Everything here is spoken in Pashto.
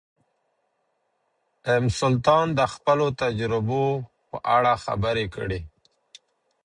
ام سلطان د خپلو تجربو په اړه خبرې کړې.